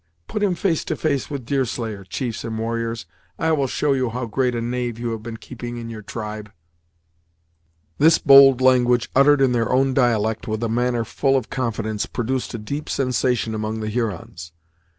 Put him face to face with Deerslayer, chiefs and warriors; I will show you how great a knave you have been keeping in your tribe." This bold language, uttered in their own dialect and with a manner full of confidence, produced a deep sensation among the Hurons.